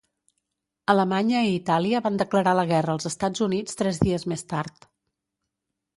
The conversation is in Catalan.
Alemanya i Itàlia van declarar la guerra als Estats Units tres dies més tard.